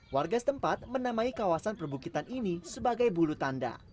warga setempat menamai kawasan perbukitan ini sebagai bulu tanda